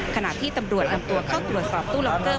ขณะที่ตำรวจนำตัวเข้าตรวจสอบตู้ล็อกเตอร์